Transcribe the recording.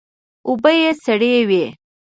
اوبه یې سړې وې.